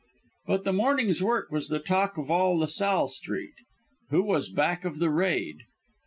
But the morning's work was the talk of all La Salle Street. Who was back of the raid?